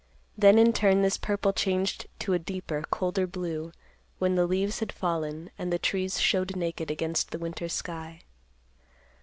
Then in turn this purple changed to a deeper, colder blue, when the leaves had fallen, and the trees showed naked against the winter sky.